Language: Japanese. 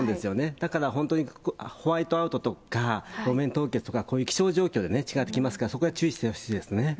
だから本当にホワイトアウトとか、路面凍結とか、こういう気象状況で違ってきますから、そこは注意してほしいです